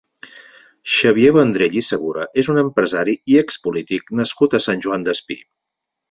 Xavier Vendrell i Segura és un empresari i expolític nascut a Sant Joan Despí.